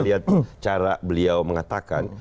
lihat cara beliau mengatakan